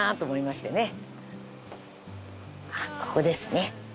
あっここですね。